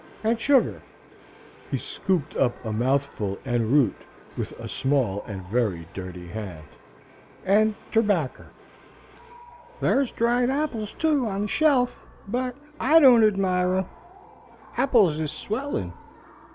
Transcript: "And sugar." He scooped up a mouthful en route with a small and very dirty hand. "And terbacker. Thar's dried appils too on the shelf, but I don't admire 'em. Appils is swellin'.